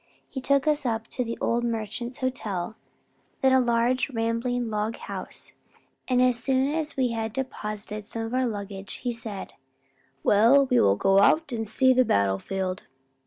He took us up to the Old Merchants' Hotel, then a large rambling log house and as soon as we had deposited some of our luggage, he said, "Well, we will go out and see the battlefield."